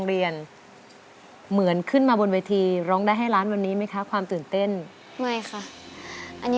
รีลการร้องนี่ใช้ได้เลยสำหรับน้องด้น